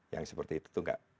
yang seperti itu tuh nggak